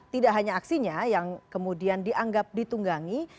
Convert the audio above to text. tidak hanya aksinya yang kemudian dianggap ditunggangi